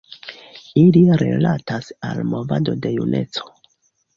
Ili rilatas al movado de juneco.